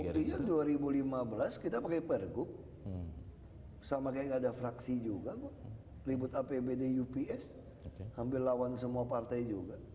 waktunya dua ribu lima belas kita pakai pergub sama kayak gak ada fraksi juga kok ribut apbd ups hampir lawan semua partai juga